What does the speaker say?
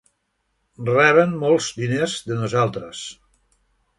Reben molts diners de nosaltres.